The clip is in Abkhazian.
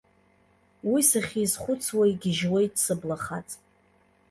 Уи сахьизхәыцуа игьежьуеит сыблахаҵ.